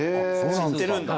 知ってるんだ。